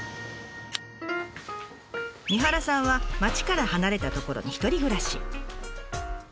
三原さんは町から離れた所に１人暮らし。